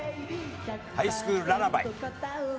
『ハイスクールララバイ』。